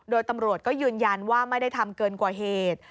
โดยตำรวจก็ยืนยันว่าไม่ได้ทำเกินกว่าเหตุ